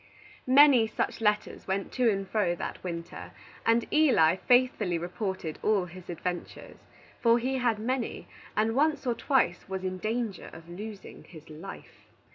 Many such letters went to and fro that winter, and Eli faithfully reported all his adventures. For he had many, and once or twice was in danger of losing his life.